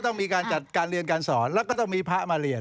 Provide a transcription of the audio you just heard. ต้องมีการจัดการเรียนการสอนแล้วก็ต้องมีพระมาเรียน